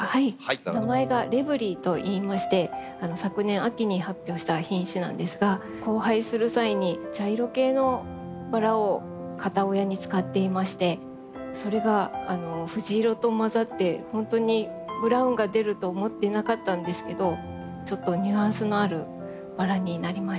名前が「レヴリ」といいまして昨年秋に発表した品種なんですが交配する際に茶色系のバラを片親に使っていましてそれが藤色と混ざって本当にブラウンが出ると思ってなかったんですけどちょっとニュアンスのあるバラになりました。